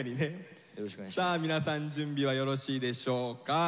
さあ皆さん準備はよろしいでしょうか。